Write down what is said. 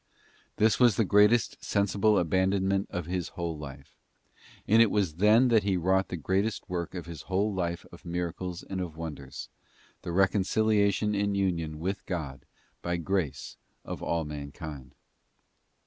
* This was the greatest sensible abandonment of His whole life; and it was then that He wrought the greatest work of His whole life of miracles _and of wonders, the reconciliation and union with God by grace of all mankind.